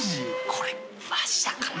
これマジだから。